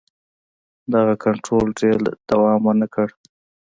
دغه کنټرول ډېر دوام ونه کړ.